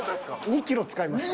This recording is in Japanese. ２ｋｇ使いました。